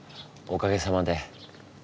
おかげさまで。